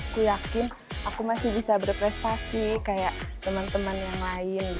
aku yakin aku masih bisa berprestasi kayak teman teman yang lain